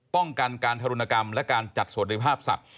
ป้องกันการทารุณกรรมและการจัดสวัสดิภาพสัตว